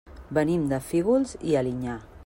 Venim de Fígols i Alinyà.